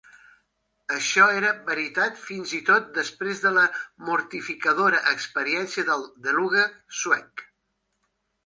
Això era veritat fins i tot després de la mortificadora experiència del "Deluge" suec.